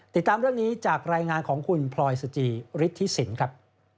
ติดตามเรื่องนี้จากรายงานของคุณพลอยสจิฤทธิสินครับ